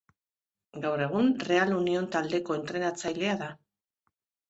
Gaur egun Real Union taldeko entrenatzailea da.